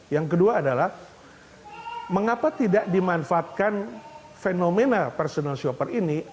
yang kedua adalah mengapa tidak dimanfaatkan fenomena personal shopper ini